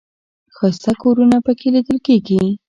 ښایسته کورونه په کې لیدل کېږي.